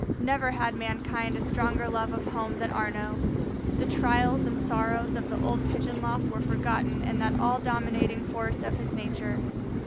Never had mankind a stronger love of home than Arnaux. The trials and sorrows of the old pigeon loft were forgotten in that all dominating force of his nature.